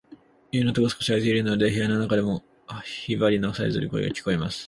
家の戸が少し開いているので、部屋の中でもヒバリのさえずる声が聞こえます。